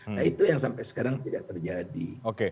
nah itu yang sampai sekarang tidak terjadi